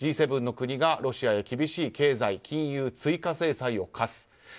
Ｇ７の国がロシアへ厳しい経済・金融追加制裁を科す。